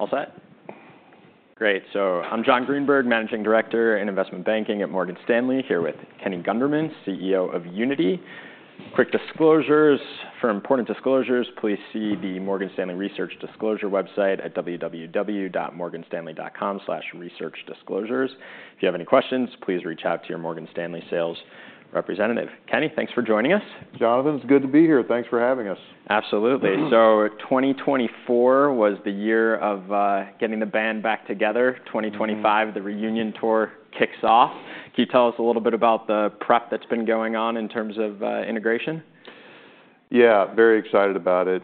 All set? Great. I'm John Greenberg, Managing Director in Investment Banking at Morgan Stanley, here with Kenny Gunderman, CEO of Uniti. Quick disclosures for important disclosures: please see the Morgan Stanley Research Disclosure website at www.morganstanley.com/researchdisclosures. If you have any questions, please reach out to your Morgan Stanley sales representative. Kenny, thanks for joining us. Jonathan, it's good to be here. Thanks for having us. Absolutely. 2024 was the year of getting the band back together. 2025, the reunion tour kicks off. Can you tell us a little bit about the prep that's been going on in terms of integration? Yeah, very excited about it.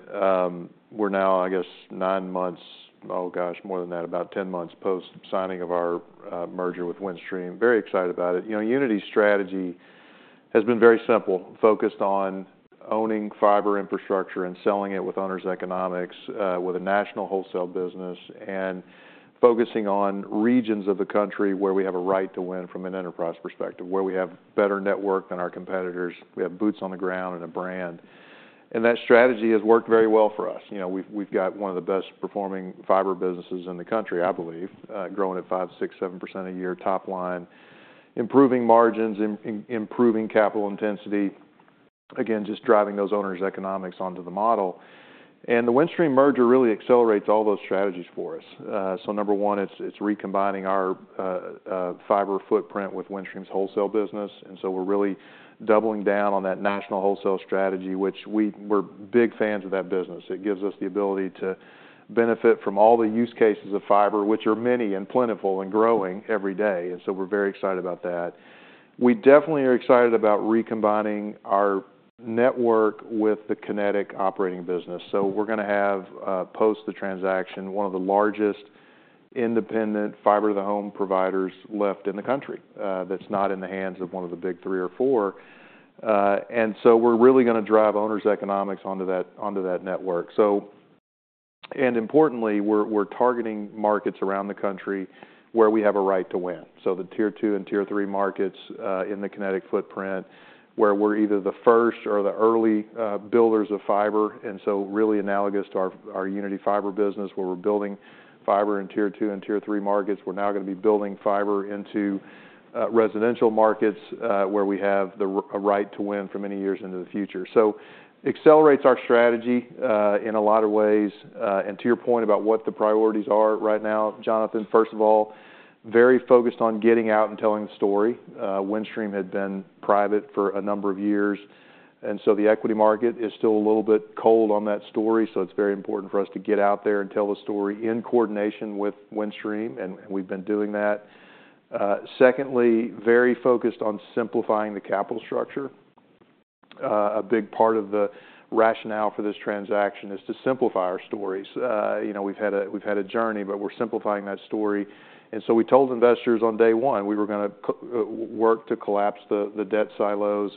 We're now, I guess, nine months—oh gosh, more than that—about ten months post-signing of our merger with Windstream. Very excited about it. You know, Uniti's strategy has been very simple: focused on owning fiber infrastructure and selling it with owners' economics, with a national wholesale business, and focusing on regions of the country where we have a right to win from an enterprise perspective, where we have better network than our competitors. We have boots on the ground and a brand. That strategy has worked very well for us. You know, we've got one of the best-performing fiber businesses in the country, I believe, growing at 5%, 6%, 7% a year top line, improving margins, improving capital intensity, again, just driving those owners' economics onto the model. The Windstream merger really accelerates all those strategies for us. Number one, it's recombining our fiber footprint with Windstream's wholesale business. We're really doubling down on that national wholesale strategy, which we're big fans of. It gives us the ability to benefit from all the use cases of fiber, which are many and plentiful and growing every day. We're very excited about that. We definitely are excited about recombining our network with the Kinetic operating business. We're going to have, post the transaction, one of the largest independent fiber-to-the-home providers left in the country that's not in the hands of one of the big three or four. We're really going to drive owners' economics onto that network. Importantly, we're targeting markets around the country where we have a right to win. The Tier two and tier three markets in the Kinetic footprint, where we're either the first or the early builders of fiber. Really analogous to our Uniti Fiber business, where we're building fiber in Tier two and Tier three markets, we're now going to be building fiber into residential markets where we have the right to win for many years into the future. It accelerates our strategy in a lot of ways. To your point about what the priorities are right now, Jonathan, first of all, very focused on getting out and telling the story. Windstream had been private for a number of years, and the equity market is still a little bit cold on that story. It is very important for us to get out there and tell the story in coordination with Windstream, and we've been doing that. Secondly, very focused on simplifying the capital structure. A big part of the rationale for this transaction is to simplify our stories. You know, we've had a journey, but we're simplifying that story. We told investors on day one we were going to work to collapse the debt silos.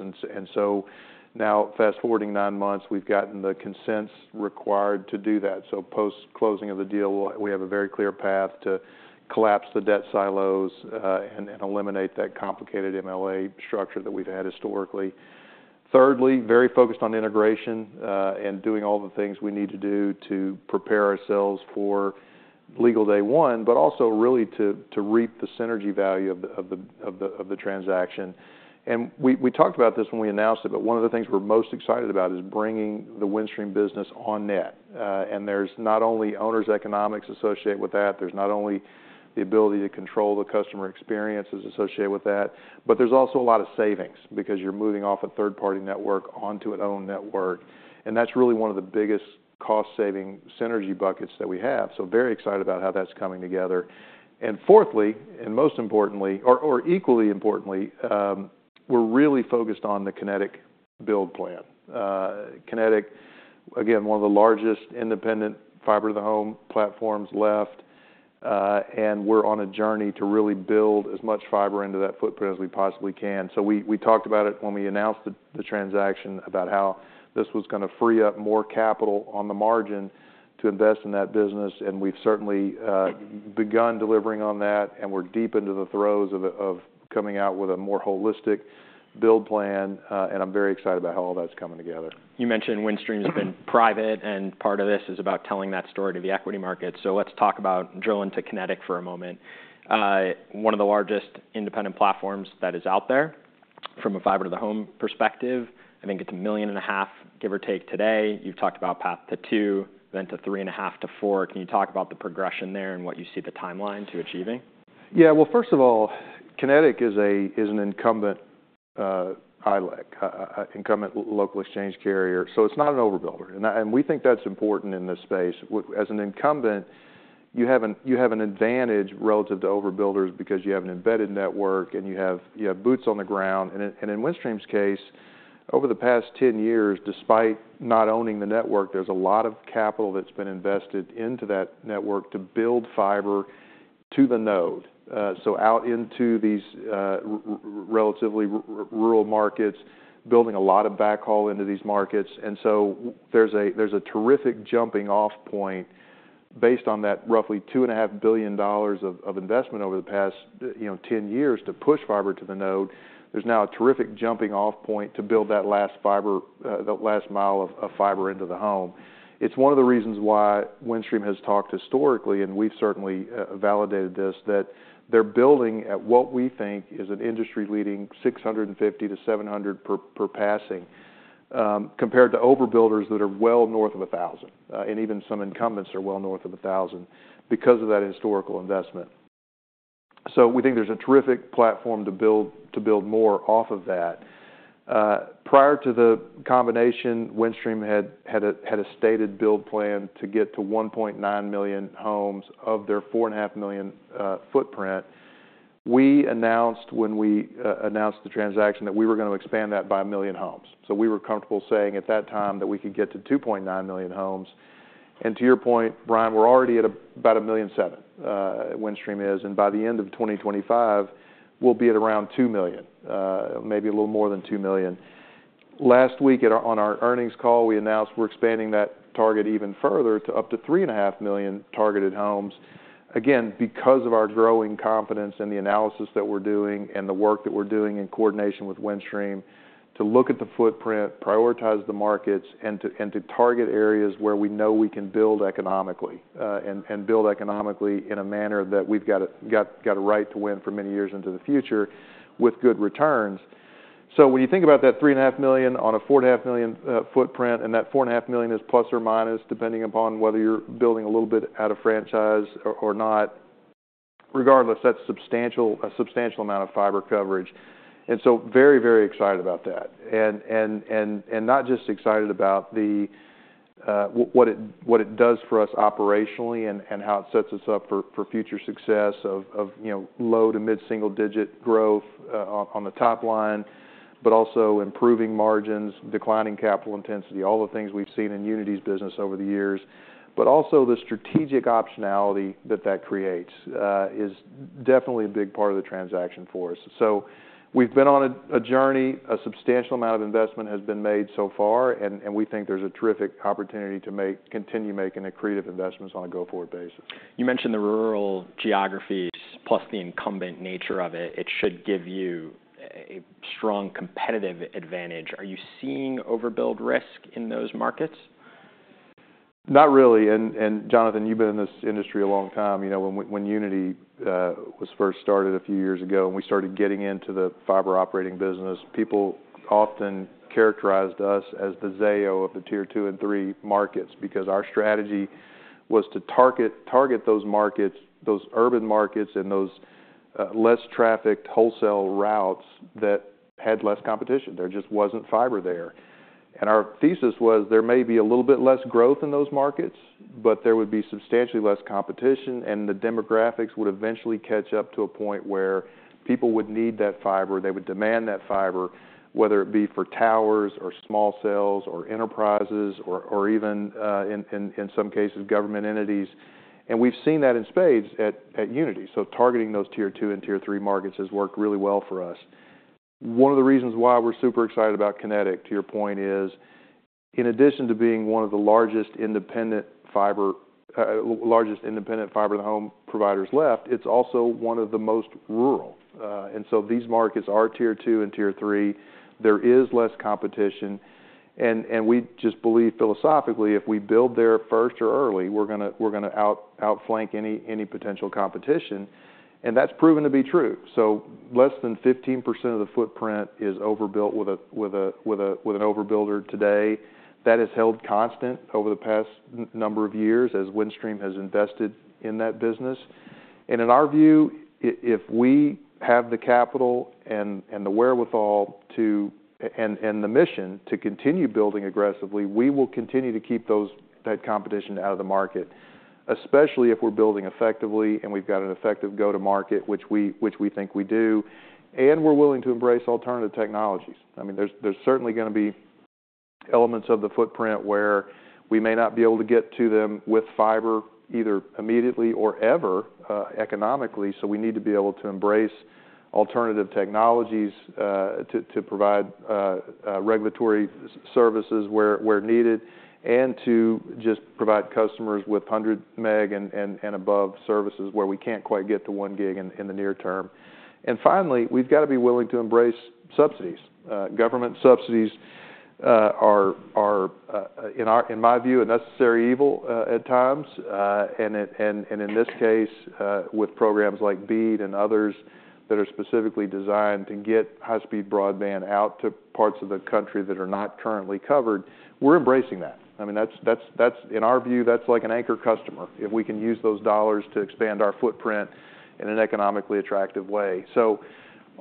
Fast forwarding nine months, we've gotten the consents required to do that. Post-closing of the deal, we have a very clear path to collapse the debt silos and eliminate that complicated MLA structure that we've had historically. Thirdly, very focused on integration and doing all the things we need to do to prepare ourselves for legal day one, but also really to reap the synergy value of the transaction. We talked about this when we announced it, but one of the things we're most excited about is bringing the Windstream business on net. There is not only owners' economics associated with that, there is not only the ability to control the customer experiences associated with that, but there is also a lot of savings because you are moving off a third-party network onto an own network. That is really one of the biggest cost-saving synergy buckets that we have. Very excited about how that is coming together. Fourthly, and most importantly, or equally importantly, we are really focused on the Kinetic build plan. Kinetic, again, one of the largest independent fiber-to-the-home platforms left, and we are on a journey to really build as much fiber into that footprint as we possibly can. We talked about it when we announced the transaction, about how this was going to free up more capital on the margin to invest in that business. We have certainly begun delivering on that, and we are deep into the throes of coming out with a more holistic build plan. I am very excited about how all that is coming together. You mentioned Windstream has been private, and part of this is about telling that story to the equity market. Let's talk about drilling to Kinetic for a moment. One of the largest independent platforms that is out there from a fiber-to-the-home perspective, I think it's a million and a half, give or take, today. You've talked about path to two, then to three and a half to four. Can you talk about the progression there and what you see the timeline to achieving? Yeah, first of all, Kinetic is an incumbent ILEC, incumbent local exchange carrier. It is not an overbuilder. We think that is important in this space. As an incumbent, you have an advantage relative to overbuilders because you have an embedded network and you have boots on the ground. In Windstream's case, over the past ten years, despite not owning the network, there is a lot of capital that has been invested into that network to build fiber to the node out into these relatively rural markets, building a lot of backhaul into these markets. There is a terrific jumping-off point based on that roughly $2.5 billion of investment over the past 10 years to push fiber to the node. There is now a terrific jumping-off point to build that last mile of fiber into the home. It's one of the reasons why Windstream has talked historically, and we've certainly validated this, that they're building at what we think is an industry-leading $650 to $700 per passing compared to overbuilders that are well north of $1,000. Even some incumbents are well north of $1,000 because of that historical investment. We think there's a terrific platform to build more off of that. Prior to the combination, Windstream had a stated build plan to get to 1.9 million homes of their 4.5 million footprint. We announced when we announced the transaction that we were going to expand that by a million homes. We were comfortable saying at that time that we could get to 2.9 million homes. To your point, Brian, we're already at about a million seven at Windstream is. By the end of 2025, we'll be at around 2 million, maybe a little more than 2 million. Last week on our earnings call, we announced we're expanding that target even further to up to 3.5 million targeted homes. Again, because of our growing confidence in the analysis that we're doing and the work that we're doing in coordination with Windstream to look at the footprint, prioritize the markets, and to target areas where we know we can build economically and build economically in a manner that we've got a right to win for many years into the future with good returns. When you think about that 3.5 million on a 4.5 million footprint, and that 4.5 million is plus or minus depending upon whether you're building a little bit out of franchise or not, regardless, that's a substantial amount of fiber coverage. Very, very excited about that. Not just excited about what it does for us operationally and how it sets us up for future success of low to mid-single-digit growth on the top line, but also improving margins, declining capital intensity, all the things we've seen in Uniti's business over the years. Also, the strategic optionality that that creates is definitely a big part of the transaction for us. We have been on a journey. A substantial amount of investment has been made so far, and we think there is a terrific opportunity to continue making accretive investments on a go-forward basis. You mentioned the rural geographies plus the incumbent nature of it. It should give you a strong competitive advantage. Are you seeing overbuild risk in those markets? Not really. And Jonathan, you've been in this industry a long time. You know, when Uniti was first started a few years ago and we started getting into the fiber operating business, people often characterized us as the Zayo of the Tier two and three markets because our strategy was to target those markets, those urban markets and those less trafficked wholesale routes that had less competition. There just wasn't fiber there. And our thesis was there may be a little bit less growth in those markets, but there would be substantially less competition, and the demographics would eventually catch up to a point where people would need that fiber. They would demand that fiber, whether it be for towers or small cells or enterprises or even in some cases government entities. And we've seen that in spades at Uniti. Targeting those tier two and tier three markets has worked really well for us. One of the reasons why we're super excited about Kinetic, to your point, is in addition to being one of the largest independent fiber, largest independent fiber-to-the-home providers left, it's also one of the most rural. These markets are tier two and tier three. There is less competition. We just believe philosophically, if we build there first or early, we're going to outflank any potential competition. That's proven to be true. Less than 15% of the footprint is overbuilt with an overbuilder today. That has held constant over the past number of years as Windstream has invested in that business. In our view, if we have the capital and the wherewithal and the mission to continue building aggressively, we will continue to keep that competition out of the market, especially if we're building effectively and we've got an effective go-to-market, which we think we do. We're willing to embrace alternative technologies. I mean, there's certainly going to be elements of the footprint where we may not be able to get to them with fiber either immediately or ever economically. We need to be able to embrace alternative technologies to provide regulatory services where needed and to just provide customers with 100 meg and above services where we can't quite get to one gig in the near term. Finally, we've got to be willing to embrace subsidies. Government subsidies are, in my view, a necessary evil at times. In this case, with programs like BEAD and others that are specifically designed to get high-speed broadband out to parts of the country that are not currently covered, we're embracing that. I mean, in our view, that's like an anchor customer if we can use those dollars to expand our footprint in an economically attractive way.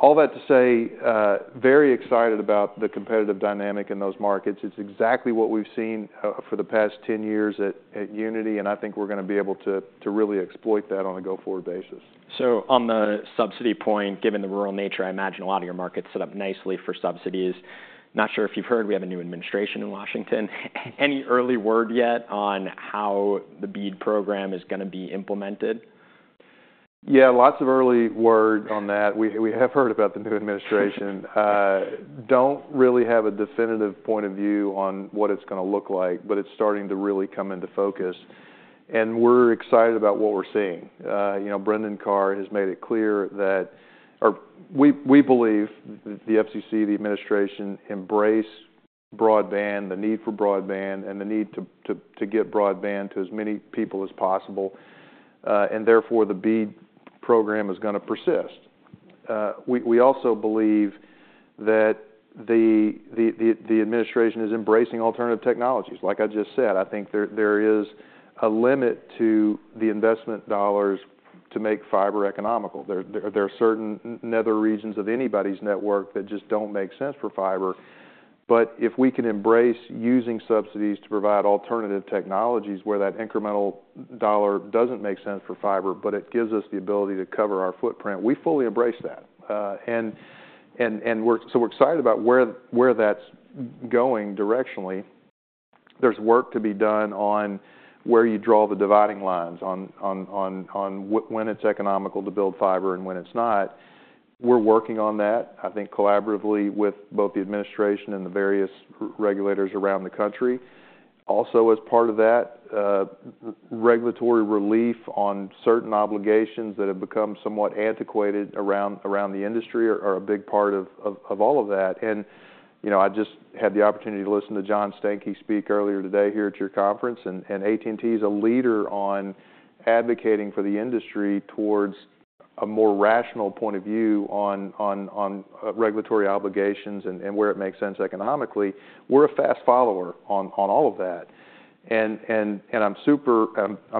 All that to say, very excited about the competitive dynamic in those markets. It's exactly what we've seen for the past ten years at Uniti, and I think we're going to be able to really exploit that on a go-forward basis. On the subsidy point, given the rural nature, I imagine a lot of your markets set up nicely for subsidies. Not sure if you've heard we have a new administration in Washington. Any early word yet on how the BEAD program is going to be implemented? Yeah, lots of early word on that. We have heard about the new administration. Don't really have a definitive point of view on what it's going to look like, but it's starting to really come into focus. We're excited about what we're seeing. You know, Brendan Carr has made it clear that we believe the FCC, the administration embrace broadband, the need for broadband, and the need to get broadband to as many people as possible. Therefore, the BEAD program is going to persist. We also believe that the administration is embracing alternative technologies. Like I just said, I think there is a limit to the investment dollars to make fiber economical. There are certain nether regions of anybody's network that just don't make sense for fiber. If we can embrace using subsidies to provide alternative technologies where that incremental dollar does not make sense for fiber, but it gives us the ability to cover our footprint, we fully embrace that. We are excited about where that is going directionally. There is work to be done on where you draw the dividing lines on when it is economical to build fiber and when it is not. We are working on that, I think, collaboratively with both the administration and the various regulators around the country. Also, as part of that, regulatory relief on certain obligations that have become somewhat antiquated around the industry are a big part of all of that. I just had the opportunity to listen to John Stankey speak earlier today here at your conference. AT&T is a leader on advocating for the industry towards a more rational point of view on regulatory obligations and where it makes sense economically. We are a fast follower on all of that. I am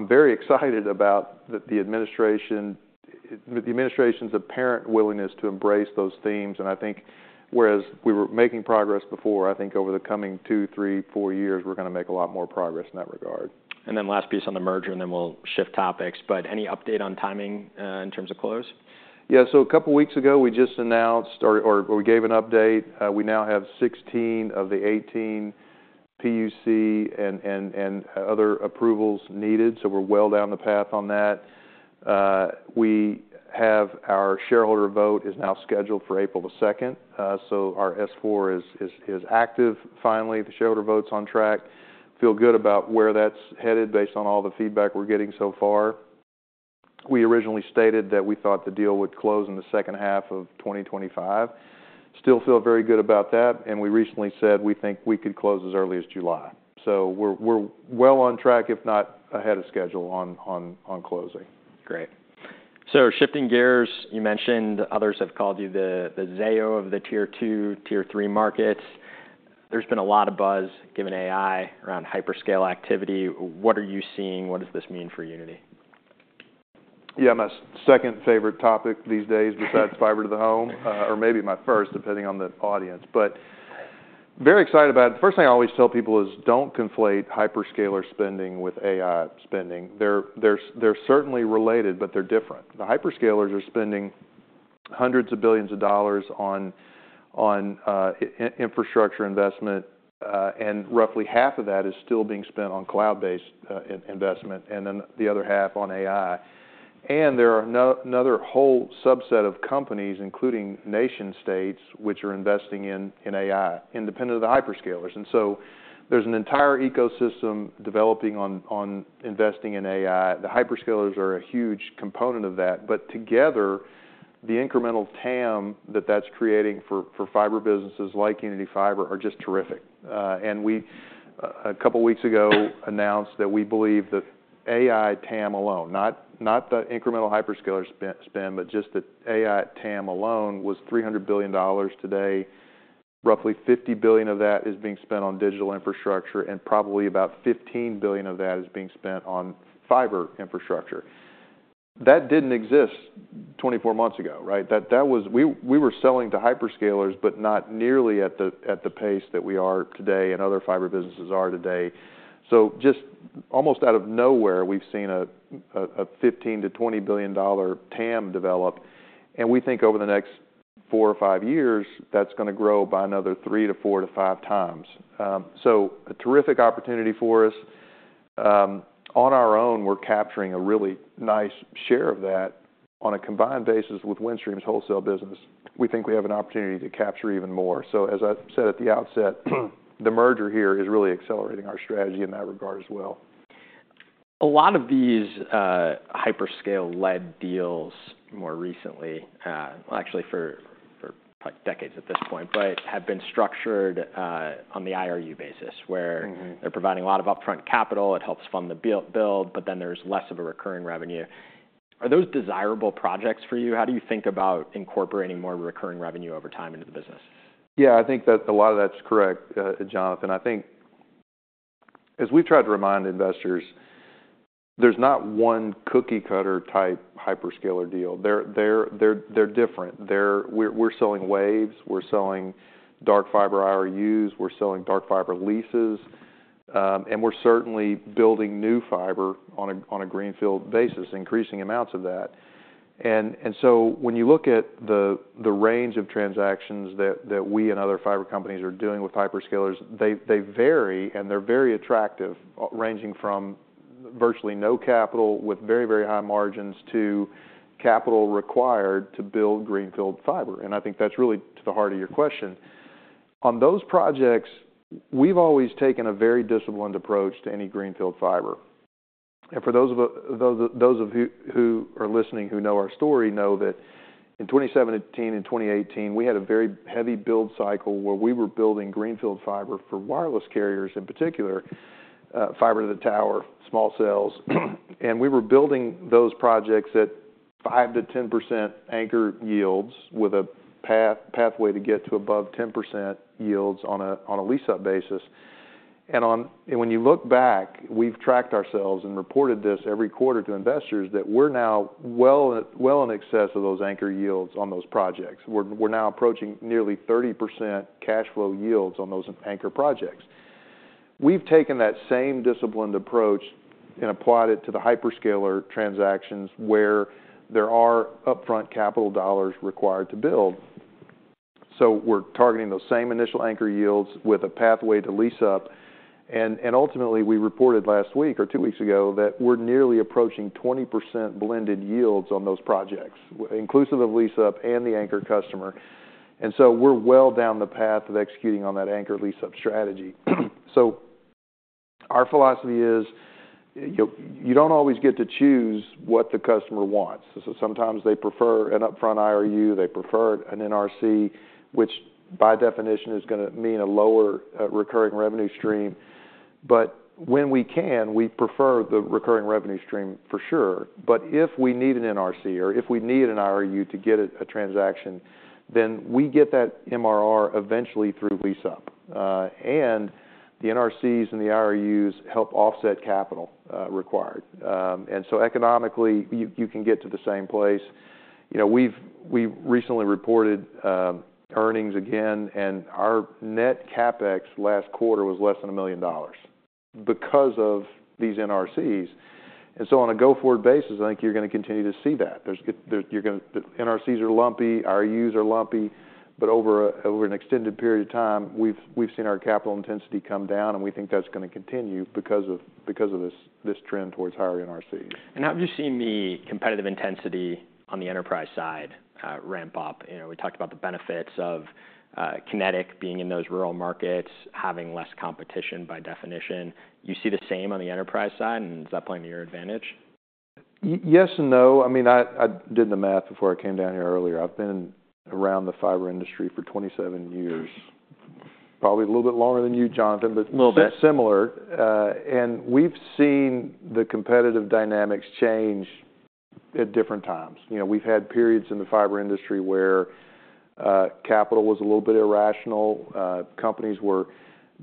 very excited about the administration's apparent willingness to embrace those themes. I think, whereas we were making progress before, I think over the coming two, three, four years, we are going to make a lot more progress in that regard. Last piece on the merger, and then we'll shift topics. Any update on timing in terms of close? Yeah, so a couple of weeks ago, we just announced or we gave an update. We now have 16 of the 18 PUC and other approvals needed. We are well down the path on that. Our shareholder vote is now scheduled for April the 2nd. Our S4 is active finally. The shareholder vote's on track. Feel good about where that's headed based on all the feedback we're getting so far. We originally stated that we thought the deal would close in the second half of 2025. Still feel very good about that. We recently said we think we could close as early as July. We are well on track, if not ahead of schedule on closing. Great. Shifting gears, you mentioned others have called you the Zayo of the tier two, tier three markets. There has been a lot of buzz given AI around hyperscale activity. What are you seeing? What does this mean for Uniti? Yeah, my second favorite topic these days besides fiber-to-the-home, or maybe my first, depending on the audience. Very excited about it. The first thing I always tell people is do not conflate hyperscaler spending with AI spending. They are certainly related, but they are different. The hyperscaler are spending hundreds of billions of dollars on infrastructure investment, and roughly half of that is still being spent on cloud-based investment and the other half on AI. There are another whole subset of companies, including nation-states, which are investing in AI, independent of the hyperscaler. There is an entire ecosystem developing on investing in AI. The hyperscaler are a huge component of that. Together, the incremental TAM that that is creating for fiber businesses like Uniti Fiber are just terrific. A couple of weeks ago we announced that we believe that AI TAM alone, not the incremental hyperscaler spend, but just the AI TAM alone, was $300 billion today. Roughly $50 billion of that is being spent on digital infrastructure, and probably about $15 billion of that is being spent on fiber infrastructure. That did not exist 24 months ago, right? We were selling to hyperscaler, but not nearly at the pace that we are today and other fiber businesses are today. Almost out of nowhere, we have seen a $15 billion to $20 billion TAM develop. We think over the next four or five years, that is going to grow by another three to four to five times. A terrific opportunity for us. On our own, we are capturing a really nice share of that. On a combined basis with Windstream's wholesale business, we think we have an opportunity to capture even more. As I said at the outset, the merger here is really accelerating our strategy in that regard as well. A lot of these hyperscale-led deals more recently, actually for decades at this point, have been structured on the IRU basis where they're providing a lot of upfront capital. It helps fund the build, but then there's less of a recurring revenue. Are those desirable projects for you? How do you think about incorporating more recurring revenue over time into the business? Yeah, I think that a lot of that's correct, Jonathan. I think as we've tried to remind investors, there's not one cookie-cutter type hyperscaler deal. They're different. We're selling waves. We're selling dark fiber IRUs. We're selling dark fiber leases. We're certainly building new fiber on a greenfield basis, increasing amounts of that. When you look at the range of transactions that we and other fiber companies are doing with hyperscaler, they vary and they're very attractive, ranging from virtually no capital with very, very high margins to capital required to build greenfield fiber. I think that's really to the heart of your question. On those projects, we've always taken a very disciplined approach to any greenfield fiber. For those of you who are listening who know our story know that in 2017 and 2018, we had a very heavy build cycle where we were building greenfield fiber for wireless carriers in particular, fiber to the tower, small cells. We were building those projects at 5 to 10% anchor yields with a pathway to get to above 10% yields on a lease-up basis. When you look back, we've tracked ourselves and reported this every quarter to investors that we're now well in excess of those anchor yields on those projects. We're now approaching nearly 30% cash flow yields on those anchor projects. We've taken that same disciplined approach and applied it to the hyperscaler transactions where there are upfront capital dollars required to build. We're targeting those same initial anchor yields with a pathway to lease-up. Ultimately, we reported last week or two weeks ago that we're nearly approaching 20% blended yields on those projects, inclusive of lease-up and the anchor customer. We are well down the path of executing on that anchor lease-up strategy. Our philosophy is you do not always get to choose what the customer wants. Sometimes they prefer an upfront IRU. They prefer an NRC, which by definition is going to mean a lower recurring revenue stream. When we can, we prefer the recurring revenue stream for sure. If we need an NRC or if we need an IRU to get a transaction, then we get that MRR eventually through lease-up. The NRCs and the IRUs help offset capital required. Economically, you can get to the same place. We recently reported earnings again, and our net CapEx last quarter was less than $1 million because of these NRCs. On a go-forward basis, I think you're going to continue to see that. NRCs are lumpy. IRUs are lumpy. Over an extended period of time, we've seen our capital intensity come down, and we think that's going to continue because of this trend towards higher NRCs. Have you seen the competitive intensity on the enterprise side ramp up? We talked about the benefits of Kinetic being in those rural markets, having less competition by definition. Do you see the same on the enterprise side, and is that playing to your advantage? Yes and no. I mean, I did the math before I came down here earlier. I've been around the fiber industry for 27 years, probably a little bit longer than you, Jonathan, but similar. We have seen the competitive dynamics change at different times. We have had periods in the fiber industry where capital was a little bit irrational. Companies were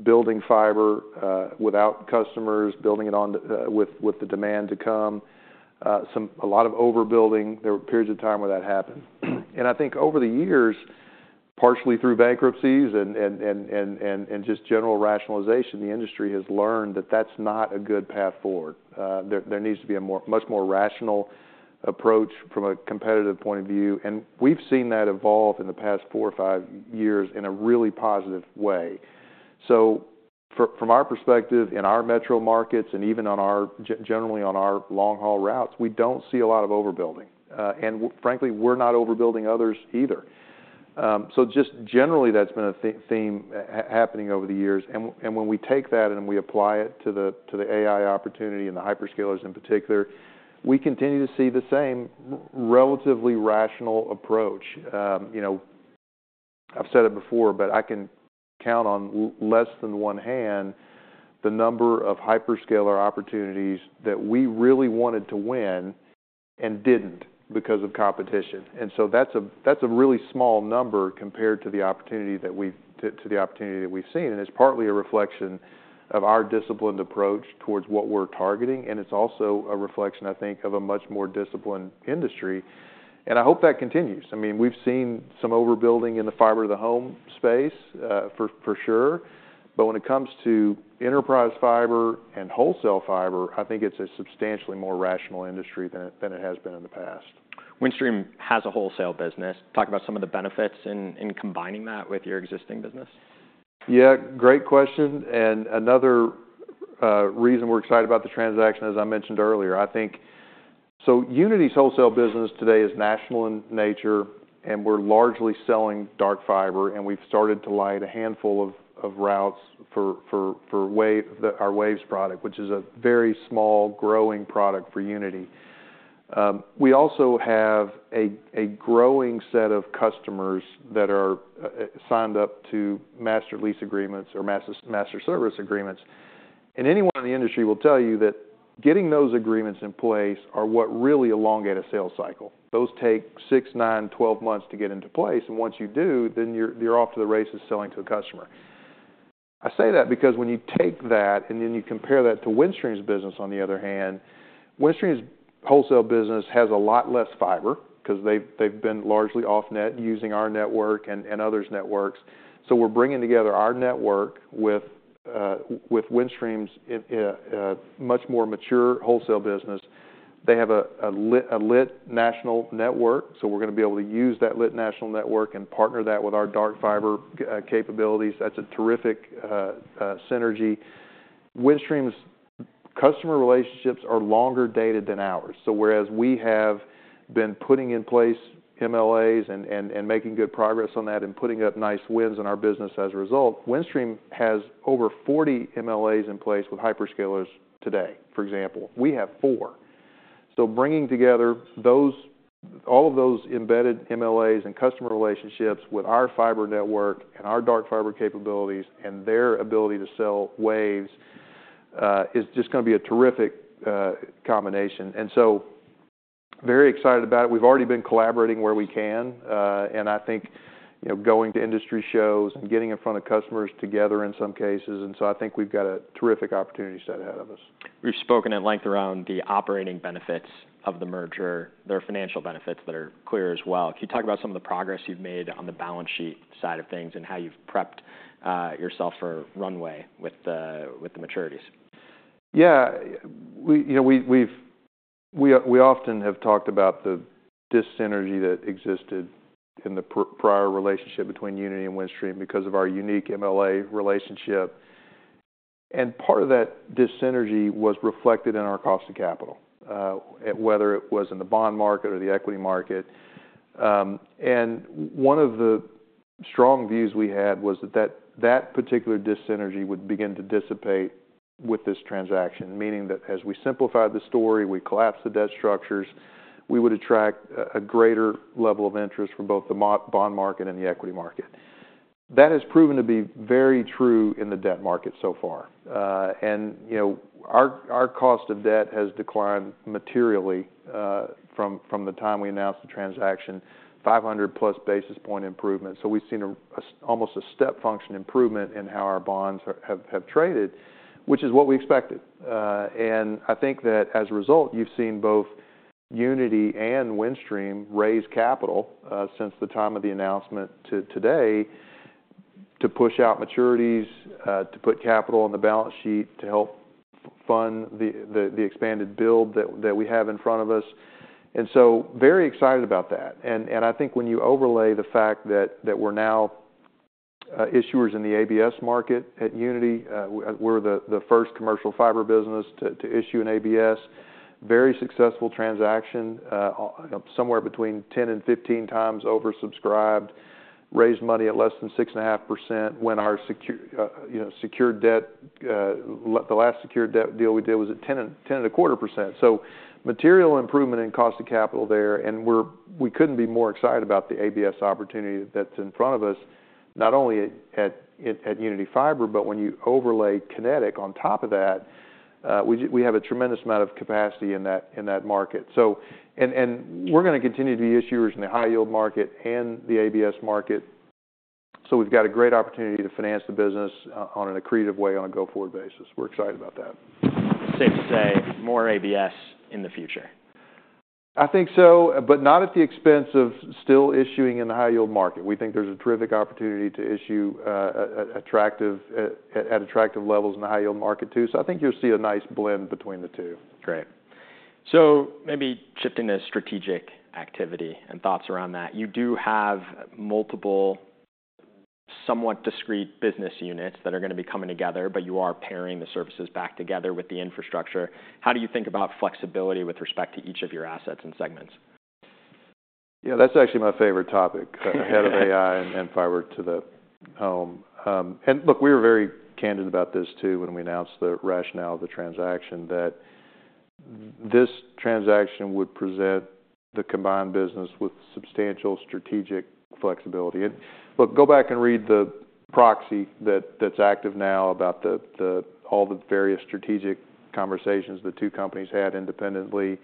building fiber without customers, building it with the demand to come. A lot of overbuilding. There were periods of time where that happened. I think over the years, partially through bankruptcies and just general rationalization, the industry has learned that that is not a good path forward. There needs to be a much more rational approach from a competitive point of view. We have seen that evolve in the past four or five years in a really positive way. From our perspective in our metro markets and even generally on our long-haul routes, we do not see a lot of overbuilding. Frankly, we are not overbuilding others either. Just generally, that has been a theme happening over the years. When we take that and we apply it to the AI opportunity and the hyperscaler in particular, we continue to see the same relatively rational approach. I have said it before, but I can count on less than one hand the number of hyperscaler opportunities that we really wanted to win and did not because of competition. That is a really small number compared to the opportunity that we have seen. It is partly a reflection of our disciplined approach towards what we are targeting. It is also a reflection, I think, of a much more disciplined industry. I hope that continues. I mean, we've seen some overbuilding in the fiber-to-the-home space for sure. When it comes to enterprise fiber and wholesale fiber, I think it's a substantially more rational industry than it has been in the past. Windstream has a wholesale business. Talk about some of the benefits in combining that with your existing business. Yeah, great question. Another reason we're excited about the transaction, as I mentioned earlier, I think Uniti's wholesale business today is national in nature, and we're largely selling dark fiber. We've started to light a handful of routes for our Waves product, which is a very small growing product for Uniti. We also have a growing set of customers that are signed up to master lease agreements or master service agreements. Anyone in the industry will tell you that getting those agreements in place is what really elongates a sales cycle. Those take six, nine, 12 months to get into place. Once you do, then you're off to the races selling to a customer. I say that because when you take that and then you compare that to Windstream's business, on the other hand, Windstream's wholesale business has a lot less fiber because they've been largely off-net using our network and others' networks. We are bringing together our network with Windstream's much more mature wholesale business. They have a lit national network. We are going to be able to use that lit national network and partner that with our dark fiber capabilities. That is a terrific synergy. Windstream's customer relationships are longer dated than ours. Whereas we have been putting in place MLAs and making good progress on that and putting up nice wins in our business as a result, Windstream has over 40 MLAs in place with hyperscaler today, for example. We have four. Bringing together all of those embedded MLAs and customer relationships with our fiber network and our dark fiber capabilities and their ability to sell Waves is just going to be a terrific combination. I am very excited about it. We have already been collaborating where we can. I think going to industry shows and getting in front of customers together in some cases. I think we have got a terrific opportunity set ahead of us. We've spoken at length around the operating benefits of the merger, their financial benefits that are clear as well. Can you talk about some of the progress you've made on the balance sheet side of things and how you've prepped yourself for runway with the maturities? Yeah. We often have talked about the dis-synergy that existed in the prior relationship between Uniti and Windstream because of our unique MLA relationship. Part of that dis-synergy was reflected in our cost of capital, whether it was in the bond market or the equity market. One of the strong views we had was that that particular dis-synergy would begin to dissipate with this transaction, meaning that as we simplify the story, we collapse the debt structures, we would attract a greater level of interest for both the bond market and the equity market. That has proven to be very true in the debt market so far. Our cost of debt has declined materially from the time we announced the transaction, 500-plus basis point improvement. We have seen almost a step function improvement in how our bonds have traded, which is what we expected. I think that as a result, you've seen both Uniti and Windstream raise capital since the time of the announcement to today to push out maturities, to put capital on the balance sheet to help fund the expanded build that we have in front of us. I am very excited about that. I think when you overlay the fact that we're now issuers in the ABS market at Uniti, we're the first commercial fiber business to issue an ABS, very successful transaction, somewhere between 10 to 15 times oversubscribed, raised money at less than 6.5% when our last secured debt deal we did was at 10.25%. Material improvement in cost of capital there. We could not be more excited about the ABS opportunity that is in front of us, not only at Uniti Fiber, but when you overlay Kinetic on top of that, we have a tremendous amount of capacity in that market. We are going to continue to be issuers in the high-yield market and the ABS market. We have a great opportunity to finance the business in an accretive way on a go-forward basis. We are excited about that. Safe to say more ABS in the future. I think so, but not at the expense of still issuing in the high-yield market. We think there's a terrific opportunity to issue at attractive levels in the high-yield market too. I think you'll see a nice blend between the two. Great. Maybe shifting to strategic activity and thoughts around that. You do have multiple somewhat discreet business units that are going to be coming together, but you are pairing the services back together with the infrastructure. How do you think about flexibility with respect to each of your assets and segments? Yeah, that's actually my favorite topic ahead of AI and fiber to the home. Look, we were very candid about this too when we announced the rationale of the transaction, that this transaction would present the combined business with substantial strategic flexibility. Look, go back and read the proxy that's active now about all the various strategic conversations the two companies had independently.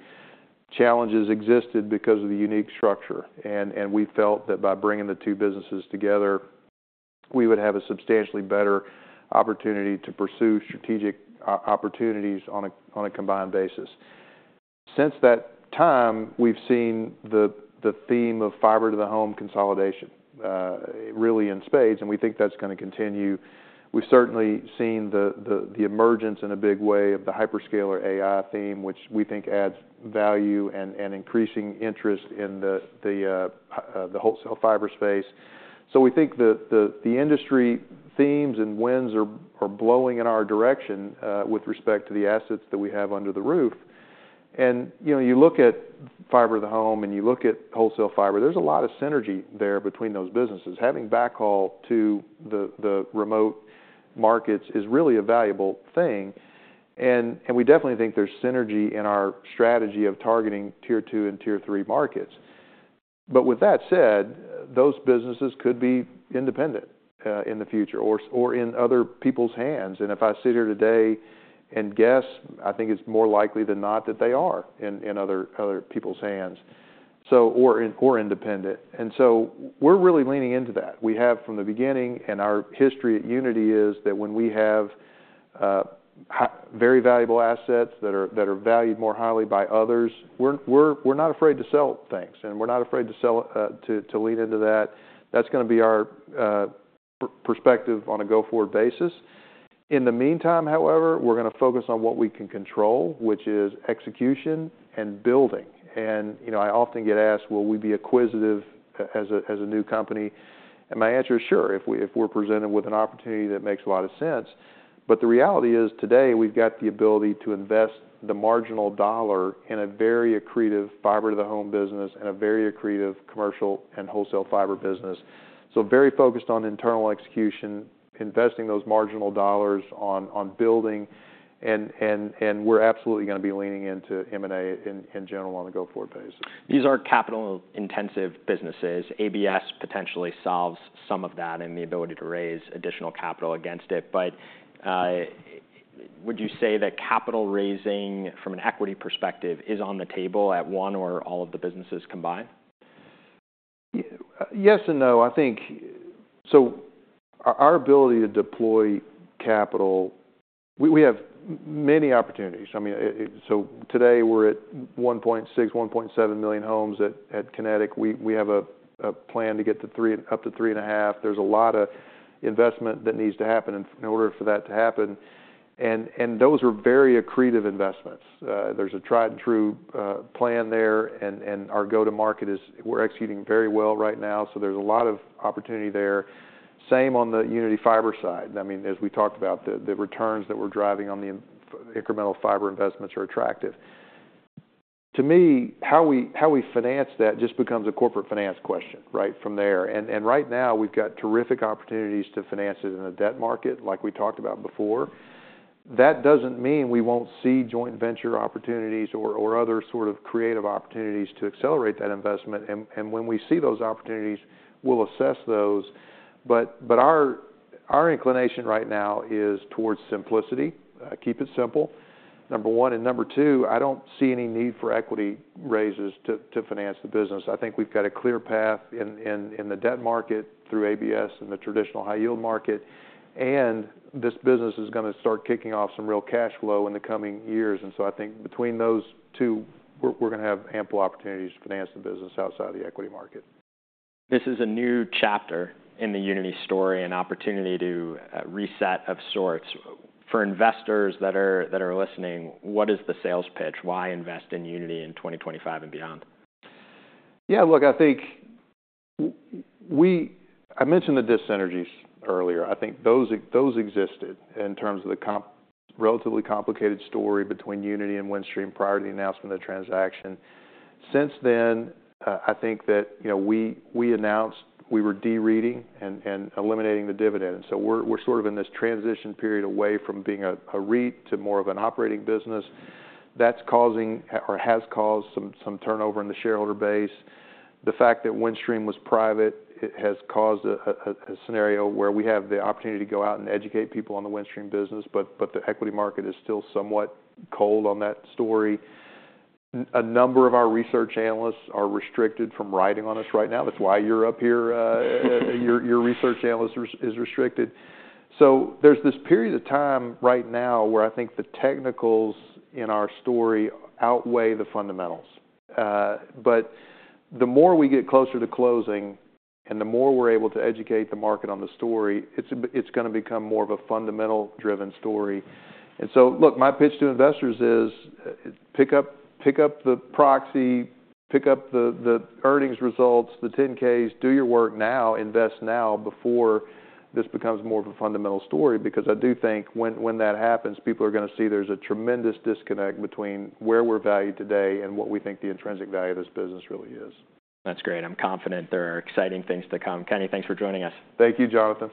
Challenges existed because of the unique structure. We felt that by bringing the two businesses together, we would have a substantially better opportunity to pursue strategic opportunities on a combined basis. Since that time, we've seen the theme of fiber to the home consolidation really in spades. We think that's going to continue. We've certainly seen the emergence in a big way of the hyperscaler AI theme, which we think adds value and increasing interest in the wholesale fiber space. We think the industry themes and winds are blowing in our direction with respect to the assets that we have under the roof. You look at fiber to the home and you look at wholesale fiber, there is a lot of synergy there between those businesses. Having backhaul to the remote markets is really a valuable thing. We definitely think there is synergy in our strategy of targeting tier two and tier three markets. That said, those businesses could be independent in the future or in other people's hands. If I sit here today and guess, I think it is more likely than not that they are in other people's hands or independent. We are really leaning into that. We have from the beginning, and our history at Uniti is that when we have very valuable assets that are valued more highly by others, we're not afraid to sell things. We're not afraid to lean into that. That's going to be our perspective on a go-forward basis. In the meantime, however, we're going to focus on what we can control, which is execution and building. I often get asked, will we be acquisitive as a new company? My answer is sure if we're presented with an opportunity that makes a lot of sense. The reality is today we've got the ability to invest the marginal dollar in a very accretive fiber-to-the-home business and a very accretive commercial and wholesale fiber business. Very focused on internal execution, investing those marginal dollars on building. We are absolutely going to be leaning into M&A in general on a go-forward basis. These are capital-intensive businesses. ABS potentially solves some of that and the ability to raise additional capital against it. Would you say that capital raising from an equity perspective is on the table at one or all of the businesses combined? Yes and no. I think our ability to deploy capital, we have many opportunities. I mean, today we're at 1.6-1.7 million homes at Kinetic. We have a plan to get up to 3.5. There's a lot of investment that needs to happen in order for that to happen. Those are very accretive investments. There's a tried-and-true plan there. Our go-to-market is we're executing very well right now. There's a lot of opportunity there. Same on the Uniti Fiber side. I mean, as we talked about, the returns that we're driving on the incremental fiber investments are attractive. To me, how we finance that just becomes a corporate finance question right from there. Right now we've got terrific opportunities to finance it in a debt market like we talked about before. That does not mean we will not see joint venture opportunities or other sort of creative opportunities to accelerate that investment. When we see those opportunities, we will assess those. Our inclination right now is towards simplicity. Keep it simple, number one. Number two, I do not see any need for equity raises to finance the business. I think we have got a clear path in the debt market through ABS and the traditional high-yield market. This business is going to start kicking off some real cash flow in the coming years. I think between those two, we are going to have ample opportunities to finance the business outside of the equity market. This is a new chapter in the Uniti story and opportunity to reset of sorts. For investors that are listening, what is the sales pitch? Why invest in Uniti in 2025 and beyond? Yeah, look, I think I mentioned the dis-synergies earlier. I think those existed in terms of the relatively complicated story between Uniti and Windstream prior to the announcement of the transaction. Since then, I think that we announced we were derating and eliminating the dividend. We are sort of in this transition period away from being a REIT to more of an operating business. That is causing or has caused some turnover in the shareholder base. The fact that Windstream was private has caused a scenario where we have the opportunity to go out and educate people on the Windstream business, but the equity market is still somewhat cold on that story. A number of our research analysts are restricted from writing on us right now. That is why you are up here. Your research analyst is restricted. There is this period of time right now where I think the technicals in our story outweigh the fundamentals. The more we get closer to closing and the more we are able to educate the market on the story, it is going to become more of a fundamental-driven story. Look, my pitch to investors is pick up the proxy, pick up the earnings results, the 10-Ks, do your work now, invest now before this becomes more of a fundamental story. I do think when that happens, people are going to see there is a tremendous disconnect between where we are valued today and what we think the intrinsic value of this business really is. That's great. I'm confident there are exciting things to come. Kenny, thanks for joining us. Thank you, Jonathan.